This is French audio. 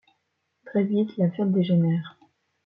Très vite, la fête dégénère…